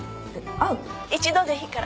「一度でいいから。